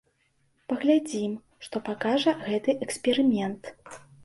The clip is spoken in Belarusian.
Паглядзім, што пакажа гэты эксперымент.